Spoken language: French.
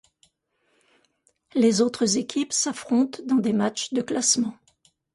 Les autres équipes s'affrontent dans des matchs de classement.